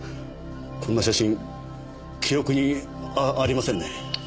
こんな写真記憶にあありませんね。